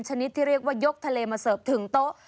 ชนิดที่เรียกว่ายกทะเลมาเสิร์ฟถึงโต๊ะ